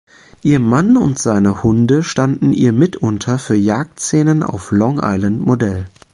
Ihr Mann und seine Hunde standen ihr mitunter für Jagdszenen auf Long Island Modell.